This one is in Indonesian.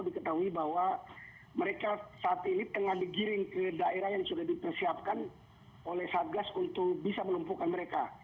diketahui bahwa mereka saat ini tengah digiring ke daerah yang sudah dipersiapkan oleh satgas untuk bisa melumpuhkan mereka